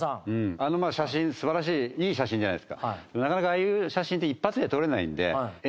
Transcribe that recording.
あの写真すばらしいいい写真じゃないですかなかなかああいう写真って一発で撮れないんで。